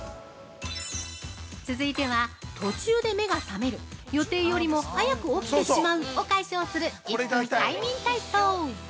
続いては、途中で目が覚める予定よりも早く起きてしまうを解消する１分快眠体操。